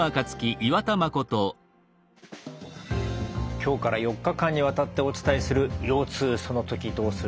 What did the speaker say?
今日から４日間にわたってお伝えする「腰痛そのときどうする？」。